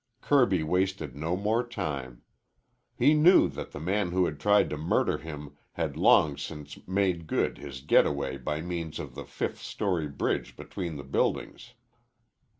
Kirby wasted no more time. He knew that the man who had tried to murder him had long since made good his getaway by means of the fifth story bridge between the buildings.